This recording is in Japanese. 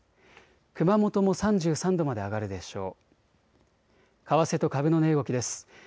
熊本も３３度まで上がるでしょう。